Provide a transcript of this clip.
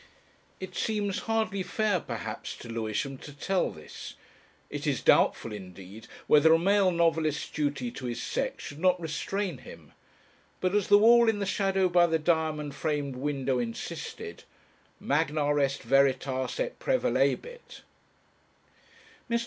It seems hardly fair, perhaps, to Lewisham to tell this; it is doubtful, indeed, whether a male novelist's duty to his sex should not restrain him, but, as the wall in the shadow by the diamond framed window insisted, "Magna est veritas et prevalebit." Mr.